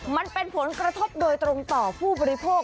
มันเป็นผลกระทบโดยตรงต่อผู้บริโภค